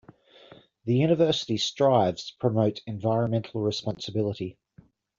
The university strives to promote environmental responsibility.